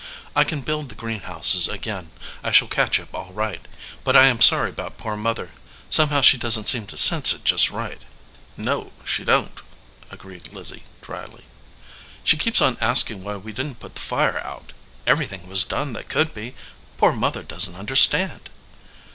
I can build the green houses again. I shall catch up all right. But I am sorry about poor Mother. Somehow she doesn t seem to sense it just right." "No, she don t," agreed Lizzie, dryly. "She keeps on asking why we didn t put the fire out. Everything was done that could be. Poor Mother doesn t understand."